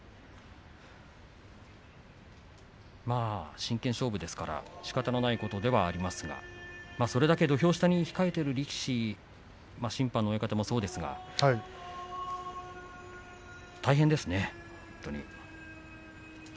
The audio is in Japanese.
真剣勝負ですからしかたのないことではありますがそれだけ土俵下で控えている力士審判の親方もそうですが大変ですね。